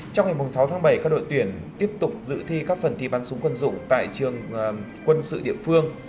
trong ngày sáu tháng bảy các đội tuyển tiếp tục giữ thi các phần thi bắn súng quân dụng tại trường quân sự địa phương